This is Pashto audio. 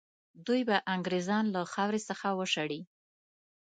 دوی به انګرېزان له خاورې څخه وشړي.